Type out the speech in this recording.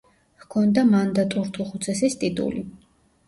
ჰქონდა მანდატურთუხუცესის ტიტული.